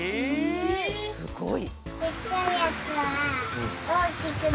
すごい。